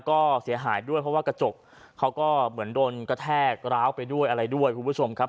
ก็เสียหายด้วยเพราะว่ากระจกเขาก็เหมือนโดนกระแทกร้าวไปด้วยอะไรด้วยคุณผู้ชมครับ